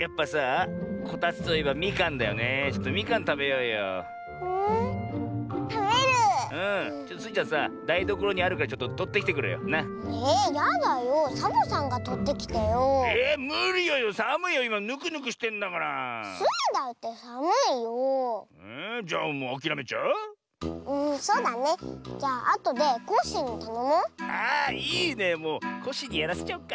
あいいねもうコッシーにやらせちゃおっか。